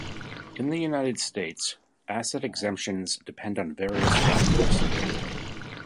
In the United States, asset exemptions depend on various factors.